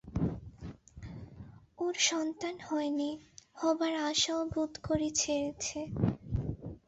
ওর সন্তান হয় নি, হবার আশাও বোধ করি ছেড়েছে।